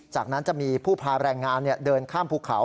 จากนั้นจะมีผู้พาแรงงานเดินข้ามภูเขา